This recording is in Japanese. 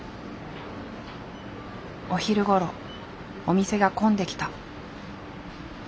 お昼ごろお店が混んできた。